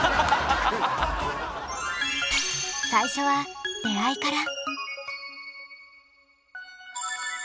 最初は出会いから。